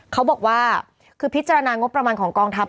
เขาบอกว่าคือพิจารณางบประมาณของกองทัพ